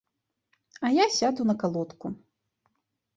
А я сяду на калодку.